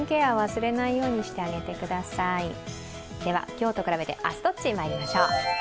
今日と比べて明日どっち、まいりましょう。